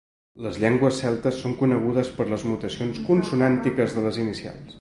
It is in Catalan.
Les llengües celtes són conegudes per les mutacions consonàntiques de les inicials.